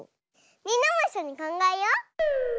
みんなもいっしょにかんがえよう！